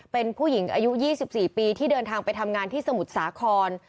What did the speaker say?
เป็นผู้หญิงอายุ๒๔ปีที่เดินทางไปทำงานที่สมุทรสาคร